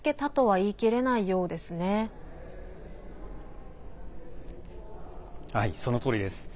はい、そのとおりです。